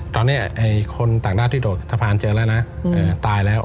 ตอนนี้คนต่างด้าวที่โดดสะพานเจอแล้วนะตายแล้ว